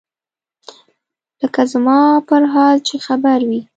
لکه زما پر حال چې خبر وي.